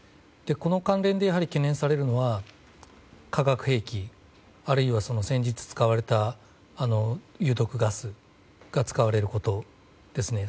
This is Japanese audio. この関連でやはり懸念されるのは化学兵器あるいは先日、使われた有毒ガスが使われることですね。